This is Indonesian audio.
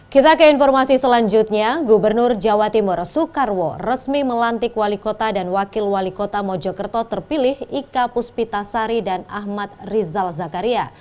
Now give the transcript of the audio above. kita ke informasi selanjutnya gubernur jawa timur soekarwo resmi melantik wali kota dan wakil wali kota mojokerto terpilih ika puspita sari dan ahmad rizal zakaria